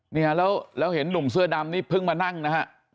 เนี่ยแล้วเห็นหนุ่มเสื้อดำนี่เพิ่งมานั่งนะฮะ